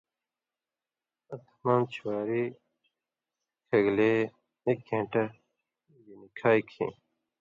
آں تمام چھواری کھگلے ایک گین٘ٹہ گیں نی کھائ کھیں